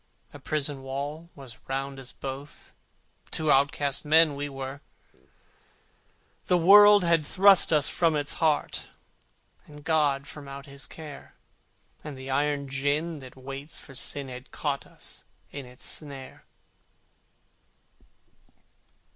A prison wall was round us both, Two outcast men we were: The world had thrust us from its heart, And God from out His care: And the iron gin that waits for Sin Had caught us in its snare.